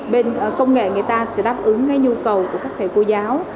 bên công nghệ người ta sẽ đáp ứng cái nhu cầu của các thầy cô giáo